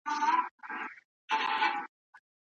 ملا ځواب ورکړ چې زه د غږ په تمه یم.